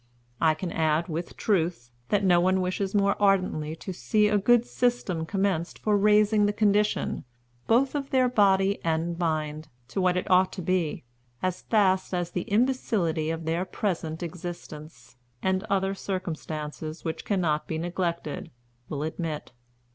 I can add, with truth, that no one wishes more ardently to see a good system commenced for raising the condition, both of their body and mind, to what it ought to be, as fast as the imbecility of their present existence, and other circumstances which cannot be neglected, will admit.